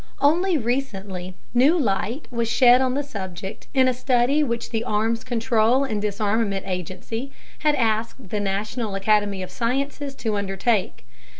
Only recently, new light was shed on the subject in a study which the Arms Control and Disarmament Agency had asked the National Academy of Sciences to undertake.